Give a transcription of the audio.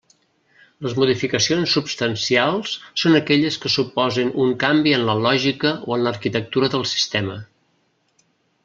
Les modificacions substancials són aquelles que suposen un canvi en la lògica o en l'arquitectura del sistema.